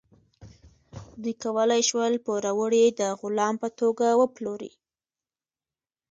دوی کولی شول پوروړی د غلام په توګه وپلوري.